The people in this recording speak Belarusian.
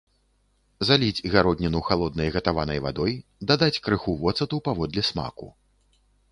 Заліць гародніну халоднай гатаванай вадой, дадаць крыху воцату паводле смаку.